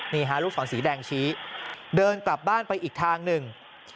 นี่ฮะลูกศรสีแดงชี้เดินกลับบ้านไปอีกทางหนึ่ง